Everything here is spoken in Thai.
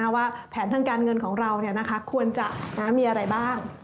ว่าแผนทางการเงินของเราควรจะมีอะไรบ้าง